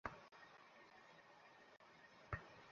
তো সে আপনার ক্ষেত ভাড়ায় নিয়েছে।